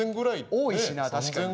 多いしな確かに。